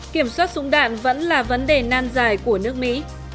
kiểm soát súng đạn vẫn là vấn đề nan dài của nước mỹ